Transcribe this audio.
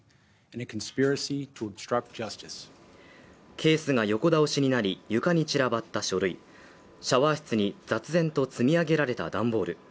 ケースが横倒しになり、床に散らばった書類シャワー室に雑然と積み上げられた段ボール